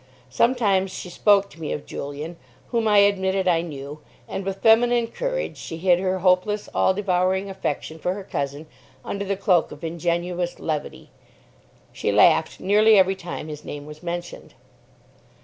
Sometimes she spoke to me of Julian, whom I admitted I knew, and, with feminine courage, she hid her hopeless, all devouring affection for her cousin under the cloak of ingenuous levity. She laughed nearly every time his name was mentioned.